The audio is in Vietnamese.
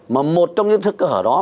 mà một trong những sơ hở đó